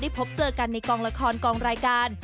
พบเจอกันในกองละครกองรายการ